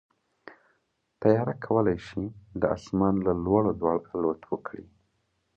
طیاره کولی شي د اسمان له لوړو لوړ الوت وکړي.